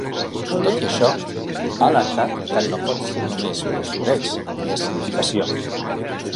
Tot i això, ha alertat que ‘no pot ser només “postureig” ni escenificació’.